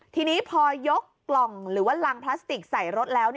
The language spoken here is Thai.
ทีนี้พอยกกล่องหรือว่ารังพลาสติกใส่รถแล้ว